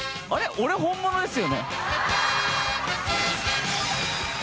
俺本物ですよね？